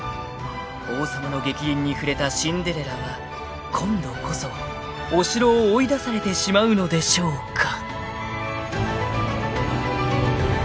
［王様の逆鱗に触れたシンデレラは今度こそお城を追い出されてしまうのでしょうか］